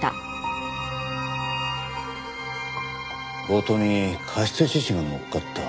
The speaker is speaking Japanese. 強盗に過失致死が乗っかった。